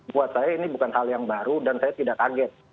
buat saya ini bukan hal yang baru dan saya tidak kaget